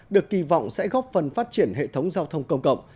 được kỳ vọng sẽ góp phần phát triển hệ thống giao thông công cộng